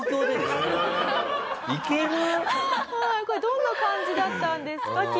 これどんな感じだったんですか？